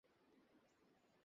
হ্যাঁ, লোভী।